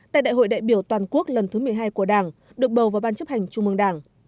tại đại hội đại biểu toàn quốc lần thứ một mươi hai của đảng được bầu vào ban chấp hành trung mương đảng